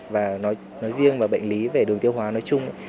và nói riêng và bệnh lý về đường tiêu hóa nói chung